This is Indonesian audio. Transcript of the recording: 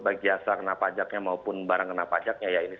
baik jasa kena pajaknya maupun barang kena pajaknya ya ini